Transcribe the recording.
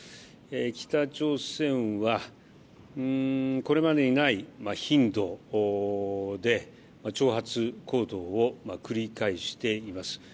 北朝鮮はこれまでにない頻度で挑発行動を繰り返しています。